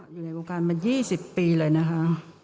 อยู่ในวงการมา๒๐ปีเลยนะคะ